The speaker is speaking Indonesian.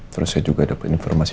terus saya juga dapat informasi